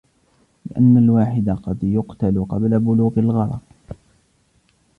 لِأَنَّ الْوَاحِدَ قَدْ يُقْتَلُ قَبْلَ بُلُوغِ الْغَرَضِ